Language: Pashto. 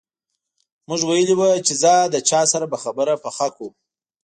موږ ویلي وو چې ځه له چا سره به خبره پخه کړو.